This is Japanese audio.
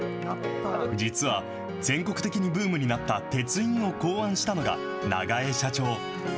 実は、全国的にブームになった鉄印を考案したのが永江社長。